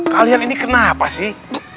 kalian ini kenapa sih